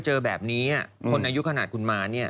เจอแบบนี้คนอายุขนาดคุณมาเนี่ย